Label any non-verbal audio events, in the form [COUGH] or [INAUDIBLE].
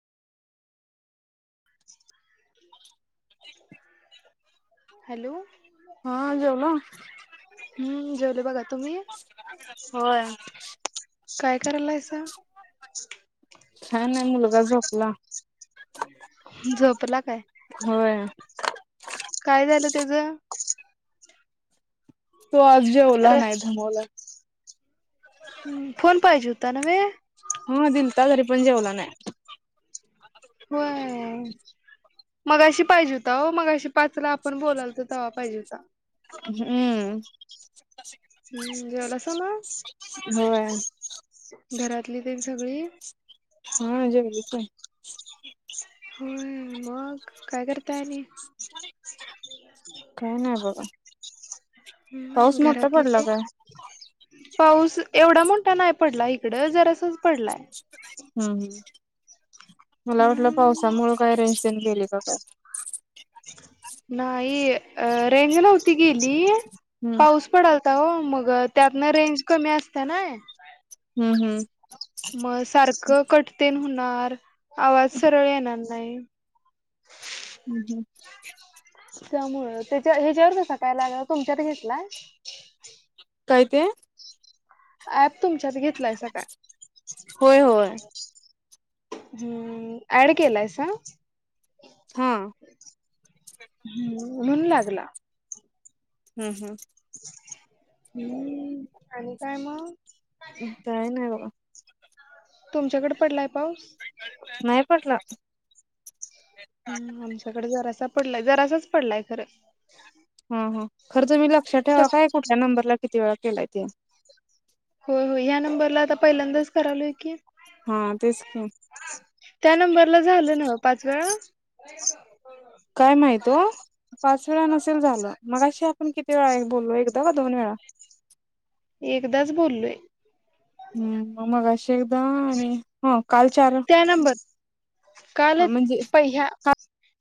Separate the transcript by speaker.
Speaker 1: [INAUDIBLE] Hello.
Speaker 2: हा जेवलाव.
Speaker 1: हम्म जेवले बघा, तुम्ही.
Speaker 2: होय.
Speaker 1: काय करायलायसा.
Speaker 2: काय नाही मुलगा झोपला.
Speaker 1: झोपला काय.
Speaker 2: होय.
Speaker 1: काय झालं त्याचं.
Speaker 2: तो आज जेवला
Speaker 1: र
Speaker 2: नाही, धमावला.
Speaker 1: हं फोन पाहिजे होता नव्हे.
Speaker 2: हा दिलत तरी पण जेवला नाही
Speaker 1: होय मगाशी पाहिजे होता हो मगाशी पाचला आपण बोलाल तो तेव्हा पाहिजे होता
Speaker 2: हम्म
Speaker 1: हम्म जेवलास म
Speaker 2: होय
Speaker 1: घरातली ते सगळी
Speaker 2: हा जेवली काय
Speaker 1: हो मग काय करताय आणि
Speaker 2: काय नाही बाबा
Speaker 1: हम्म घरातले
Speaker 2: पडला
Speaker 1: ते
Speaker 2: काय?
Speaker 1: पाऊस एवढा मोठा नाही पडला इकड जरासच पडला
Speaker 2: हम्म हम् मला वाटलं
Speaker 1: हम्म
Speaker 2: पावसामुळे काय रेंजशन गेले काय
Speaker 1: नाही अ रेंग नव्हती गेली
Speaker 2: हम्म
Speaker 1: पाऊस पडल मग त्यातनं रेंज कमी असते ना
Speaker 2: हम्म हम्म
Speaker 1: मग सारखं कटतेण होणार आवाज सरळ येणार नाही
Speaker 2: हम्म हम्म
Speaker 1: त्यामुळ त्याच्या ह्याच्यावर कसा काय लाग तुमच्यात घेतलाय
Speaker 2: काय ते
Speaker 1: ऍप तुमच्यात घेतलाय सकाळी
Speaker 2: होय होय
Speaker 1: हम अँड केल्यायेस हा
Speaker 2: हा
Speaker 1: हम् म्हणून लागला
Speaker 2: हम्म हम्म
Speaker 1: हम्म आणि काय मग
Speaker 2: काय नाही बाबा
Speaker 1: तुमच्याकडे पडलाय पाऊस
Speaker 2: नाही पडला
Speaker 1: हम आमच्याकडे जरासा पडलाय जरासाच पडलाय खरं
Speaker 2: हा हा खरंच मी लक्षात ठेवा काय कुठल्या नंबरला किती वेळ केलाय ते
Speaker 1: हो हो या्या नंबरला आता पहिल्यांदाच करावलो आहे की
Speaker 2: हा तेच की
Speaker 1: त्या नंबरला झालं ना पाच वेळा
Speaker 2: काय माहित ओ पाच वेळा नसेल झालं मगाशी आपण किती वेळा बोललो एकदा ग दोन वेळा
Speaker 1: एकदाच बोललोय
Speaker 2: हम्म मगाशी एकदा आणि हा काल चार
Speaker 1: त्या नंबर
Speaker 2: हा म्हणजे
Speaker 1: कालच पहि्या